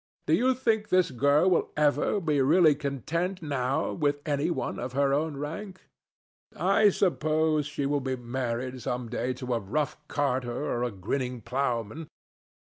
Do you think this girl will ever be really content now with any one of her own rank? I suppose she will be married some day to a rough carter or a grinning ploughman.